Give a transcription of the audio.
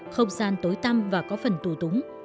không gian tối tăm và có phần tù túng